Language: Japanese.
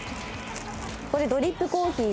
これドリップコーヒー。